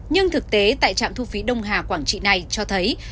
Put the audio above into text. nhưng thực tế tại trạm thu phí đông hà quảng trị này cho thấy